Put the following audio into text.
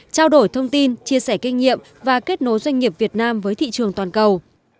trao đổi thông tin chia sẻ kinh nghiệm và kết nối doanh nghiệp việt nam với thị trường toàn cầu